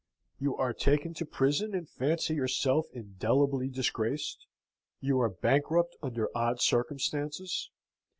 You are taken to prison, and fancy yourself indelibly disgraced? You are bankrupt under odd circumstances?